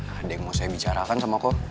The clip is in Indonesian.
ada yang mau saya bicarakan sama kok